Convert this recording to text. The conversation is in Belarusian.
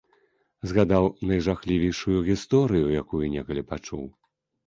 Згадаў найжахлівейшую гісторыю, якую некалі пачуў.